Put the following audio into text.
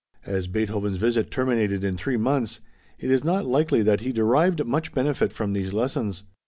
As Beethoven's visit terminated in three months, it is not likely that he derived much benefit from these lessons.